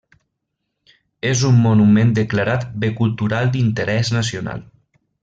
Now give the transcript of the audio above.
És un monument declarat Bé Cultural d'Interès Nacional.